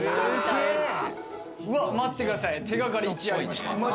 待ってください、手掛かり１ありました。